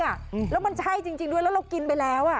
แล้วมันใช่จริงด้วยแล้วเรากินไปแล้วอ่ะ